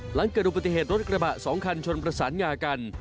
หลังเกิดอุปติเหตุรถกระบะ๒คันชนประสานงากัน